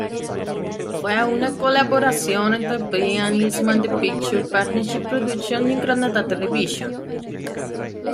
Fue una colaboración entre Brian Eastman, de Picture Partnership Productions, y Granada Televisión.